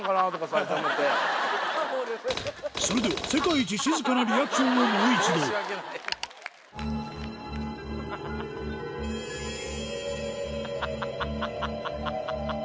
それでは世界一静かなリアクションをもう一度ハハハハ！